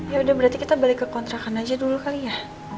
ya udah berarti kita balik ke kontrakan aja dulu kali ya